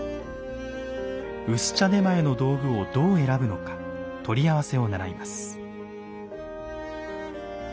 薄茶点前の道具をどう選ぶのか取り合わせを習います。